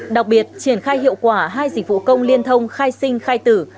đặc biệt triển khai hiệu quả hai dịch vụ công liên thông khai sinh khai tử